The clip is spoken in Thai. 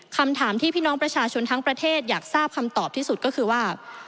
คำถามที่พี่น้องประชาชนทั้งประเทศอยากทราบคำตอบที่สุดก็คือว่า